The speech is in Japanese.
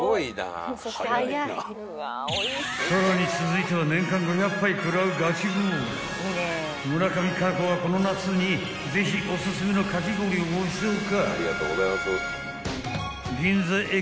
［さらに続いては年間５００杯食らうガチゴーラー村上佳菜子がこの夏にぜひオススメのかき氷をご紹介］